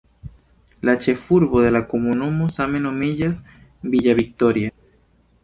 La ĉefurbo de la komunumo same nomiĝas "Villa Victoria".